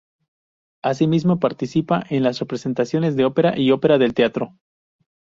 Asimismo, participa en las representaciones de ópera y opereta del Teatro.